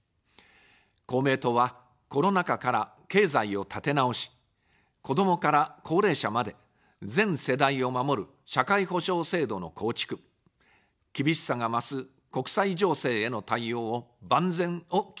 公明党は、コロナ禍から、経済を立て直し、子どもから高齢者まで、全世代を守る社会保障制度の構築、厳しさが増す国際情勢への対応を、万全を期します。